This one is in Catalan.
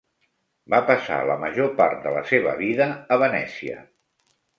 Va passar la major part de la seva vida a Venècia.